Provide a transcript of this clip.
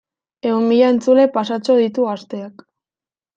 Ehun mila entzule pasatxo ditu Gazteak.